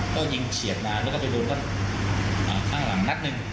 ก็ยิงเฉียบมาแล้วก็ไปโดนก้นหลังหนักนึง